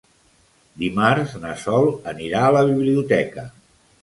Dimarts na Sol anirà a la biblioteca.